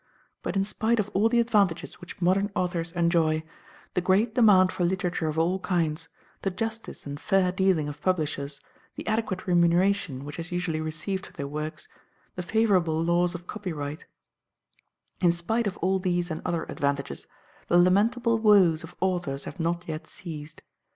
But in spite of all the advantages which modern authors enjoy, the great demand for literature of all kinds, the justice and fair dealing of publishers, the adequate remuneration which is usually received for their works, the favourable laws of copyright in spite of all these and other advantages, the lamentable woes of authors have not yet ceased.